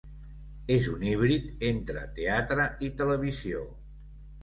És un híbrid entre teatre i televisió.